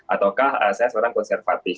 ataukah saya seorang konservatif